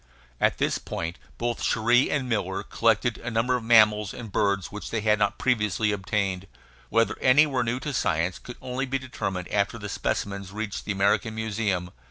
At this point both Cherrie and Miller collected a number of mammals and birds which they had not previously obtained; whether any were new to science could only be determined after the specimens reached the American Museum.